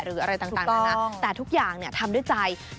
หรืออะไรต่างนะนะแต่ทุกอย่างเนี่ยทำด้วยใจถูกต้อง